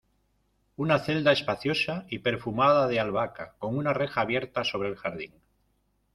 una celda espaciosa y perfumada de albahaca, con una reja abierta sobre el jardín